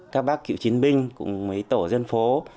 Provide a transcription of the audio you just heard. các bác cựu chiến binh cùng với tổ dân phố